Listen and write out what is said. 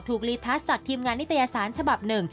รีทัสจากทีมงานนิตยสารฉบับหนึ่ง